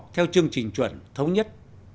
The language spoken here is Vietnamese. theo chương trình chuẩn thống nhất